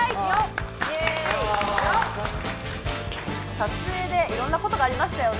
撮影でいろんなことがありましたよね。